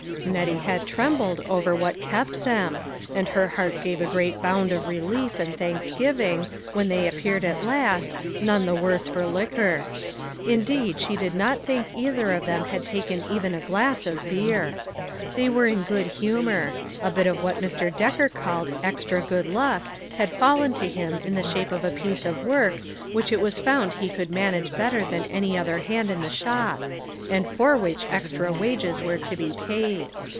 Nettie had trembled over what kept them, and her heart gave a great bound of relief and thanksgiving, when they appeared at last, none the worse for liquor. Indeed, she did not think either of them had taken even a glass of beer. They were in good humor ; a bit of what Mr. Decker called " extra good luck " had fallen to him in the shape of a piece of work which it PLEASURE AND DISAPPOINTMENT. 183 was found he could manage better than any other hand in the shop, and for which extra wages were to be paid.